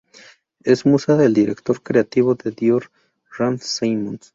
Es musa del director creativo de Dior, Raf Simons.